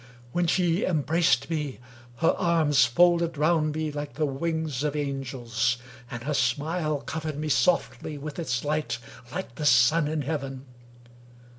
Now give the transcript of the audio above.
When she em braced me, her arms folded round me like the wings of angels ; and her smile covered me softly with its light like the sun in heaven.